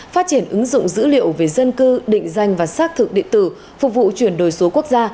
phát triển ứng dụng dữ liệu về dân cư định danh và xác thực điện tử phục vụ chuyển đổi số quốc gia